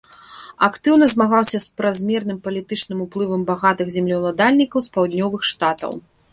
Актыўна змагаўся з празмерным палітычным уплывам багатых землеўладальнікаў з паўднёвых штатаў.